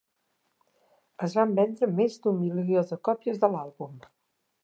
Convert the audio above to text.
Es van vendre més d'un milió de còpies de l'àlbum.